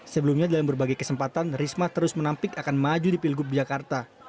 sebelumnya dalam berbagai kesempatan risma terus menampik akan maju di pilgub jakarta